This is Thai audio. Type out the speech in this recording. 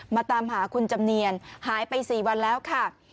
มาตามหาคุณจำเนียนหายไป๔วันแล้วค่ะ